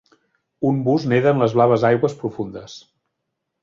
Un bus neda en les blaves aigües profundes.